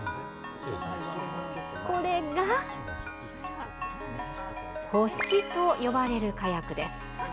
これが、星と呼ばれる火薬です。